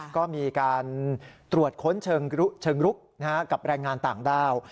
ก็มีการตรวจค้นเชิงลุกกับแรงงานต่างด้าว